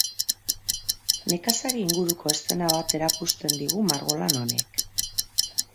Nekazari inguruko eszena bat erakusten digu margolan honek.